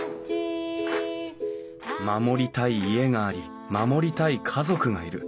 守りたい家があり守りたい家族がいる。